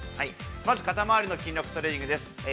肩回りの筋力トレーニングです。